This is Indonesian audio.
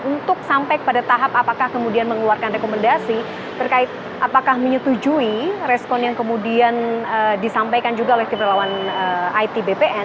untuk sampai pada tahap apakah kemudian mengeluarkan rekomendasi terkait apakah menyetujui respon yang kemudian disampaikan juga oleh tim relawan it bpn